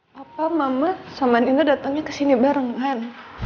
papa mama sama dinda datangnya kesini barengan